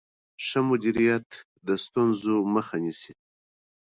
ښه مدیریت د ستونزو مخه نیسي.